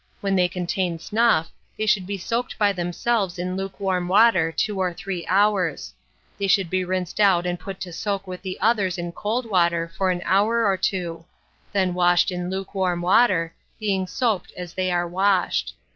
When they contain snuff, they should be soaked by themselves in lukewarm water two or three hours; they should be rinsed out and put to soak with the others in cold water for an hour or two; then washed in lukewarm water, being soaped as they are washed.